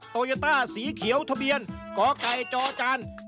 โตยาต้าสีเขียวทะเบียนกกจ๔๒๘๘